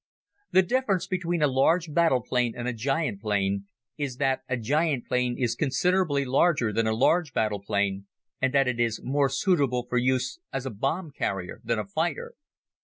The difference between a large battle plane and a giant plane is that a giant plane is considerably larger than a large battle plane and that it is more suitable for use as a bomb carrier than as a fighter.